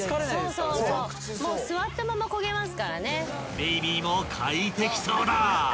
［ベイビーも快適そうだ］